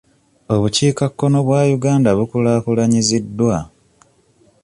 Obukiika kkono bwa Uganda bukulaakulanyiziddwa.